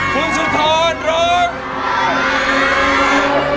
คุณสุธรร้อง